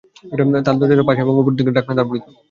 তার দরজা ছিল পাশে এবং উপর দিকে ঢাকনা দ্বারা আবৃত।